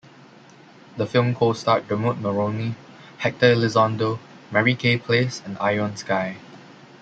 The film co-starred Dermot Mulroney, Hector Elizondo, Mary Kay Place and Ione Skye.